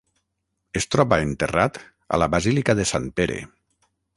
Es troba enterrat a la Basílica de Sant Pere.